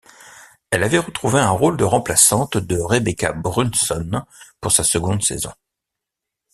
Elle avait retrouvé un rôle de remplaçante de Rebekkah Brunson pour sa seconde saison.